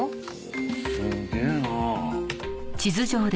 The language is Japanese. すげえなあ。